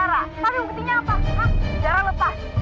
aku ingin semakin ada semakin apa